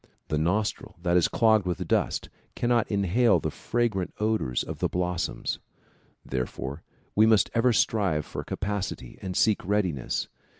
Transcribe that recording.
The nostril that is clogged with dust cannot inhale the fragrant odors of the blossoms. Therefore we must ever strive for capacity and seek readiness.